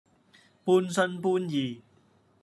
半信半疑